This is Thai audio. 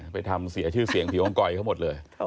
ไปทำเสียชื่อเสียงผิวองกอยเขาหมดเลย